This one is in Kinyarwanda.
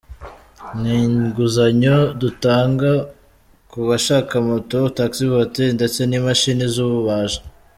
Ni inguzanyo dutanga ku bashaka moto, taxi voiture ndetse n’imashi z’ububaji .